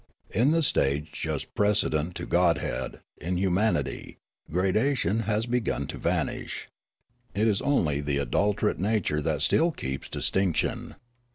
In the stage just precedent to godhead, in humanity, gradation has begun to vanish. It is only the adulterate nature that still keeps distinction.